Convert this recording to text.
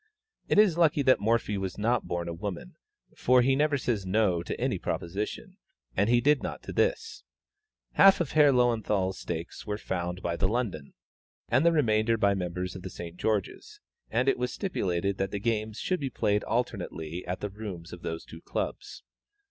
It is lucky that Morphy was not born a woman, for he never says "no" to any proposition, and he did not to this. Half of Herr Löwenthal's stakes were found by the London, and the remainder by members of the St. George's; and it was stipulated that the games should be played alternately at the rooms of those two clubs.